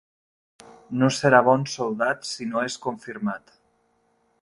No serà bon soldat si no és confirmat.